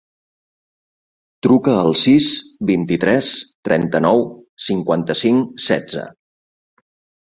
Truca al sis, vint-i-tres, trenta-nou, cinquanta-cinc, setze.